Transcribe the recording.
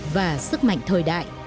và sức mạnh thời đại